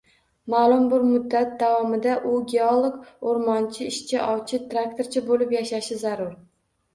Maʼlum bir muddat davomida u geolog, oʻrmonchi, ishchi, ovchi, traktorchi boʻlib yashashi zarur